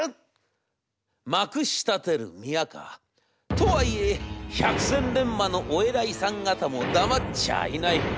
とはいえ百戦錬磨のお偉いさん方も黙っちゃいない。